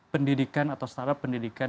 pendidikan atau setara pendidikan